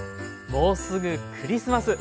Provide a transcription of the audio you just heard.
もうすぐクリスマス。